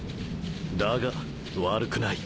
だが悪くない。